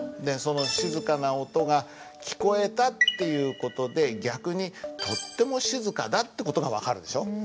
でその静かな音が聞こえたっていう事で逆にとっても静かだって事が分かるでしょ。